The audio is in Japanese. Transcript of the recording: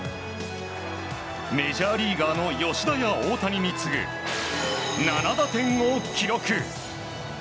メジャーリーガーの吉田や大谷に次ぐ７打点を記録。